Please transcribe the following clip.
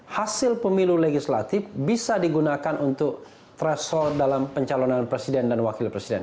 hasil pemilu legislatif bisa digunakan untuk threshold dalam pencalonan presiden dan wakil presiden